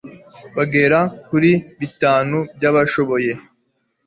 bagera kuri bitanu byabashoboye